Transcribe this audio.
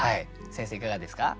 先生いかがですか？